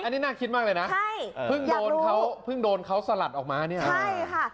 อันนี้น่าคิดมากเลยนะใช่เพิ่งโดนเขาเพิ่งโดนเขาสลัดออกมาเนี่ยใช่ค่ะ